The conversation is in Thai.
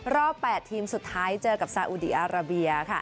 รอบ๘ทีมสุดท้ายเจอกับซาอุดีอาราเบีย